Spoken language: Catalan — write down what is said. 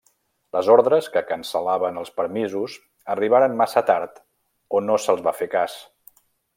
Les ordres que cancel·laven els permisos arribaren massa tard o no se’ls va fer cas.